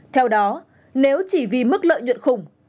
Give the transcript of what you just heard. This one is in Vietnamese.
theo đó nếu chỉ vì mức lợi nhuận khủng